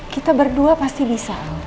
kita berdua pasti bisa